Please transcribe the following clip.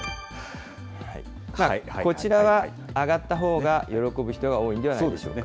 こちらは上がったほうが喜ぶ人が多いんではないでしょうか。